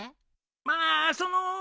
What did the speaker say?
まあその。